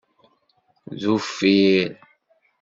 D uffir.